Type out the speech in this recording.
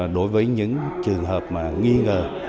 đối với những trường hợp nghi ngờ kể cả những trường hợp có dương tích